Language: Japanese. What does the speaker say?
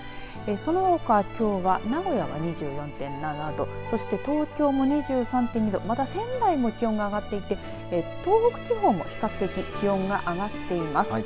そのほか、きょう名古屋は２４．７度そして東京も２３．２度また仙台も気温が上がっていて東北地方も比較的気温が上がっています。